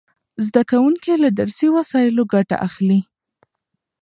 زده کوونکي له درسي وسایلو ګټه اخلي.